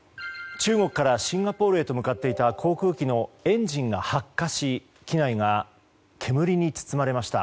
中国からシンガポールへと向かっていた航空機のエンジンが発火し機内が煙に包まれました。